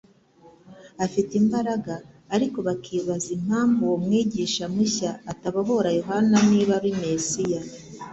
afite imbaraga; ariko bakibaza impamvu uwo Mwigisha mushya atabohora Yohana niba ari Mesiya.